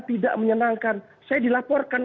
tidak menyenangkan saya dilaporkan